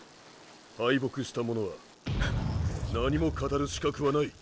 敗北した者は何も語る資格はない！